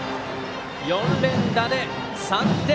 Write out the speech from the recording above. ４連打で３点。